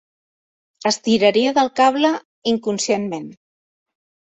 Estiraria del cable inconscientment.